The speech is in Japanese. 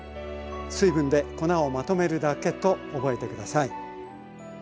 水分で粉をまとめるだけと覚えて下さい。